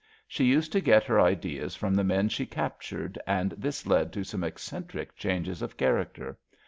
She used to get her ideas from the men she captured, and this led to some eccentric changes of character.